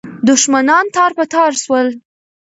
دښمنان تار په تار سول.